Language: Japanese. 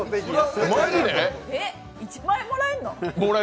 えっ、１万円もらえるの！？